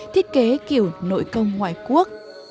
thiết kế kiểu nội công ngoại quốc